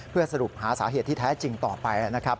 เพื่อสรุปหาสาเหตุที่แท้จริงต่อไปนะครับ